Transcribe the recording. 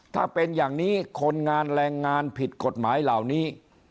ถ้าเป็นอย่างนี้คนงานแรงงานผิดกฎหมายเหล่านี้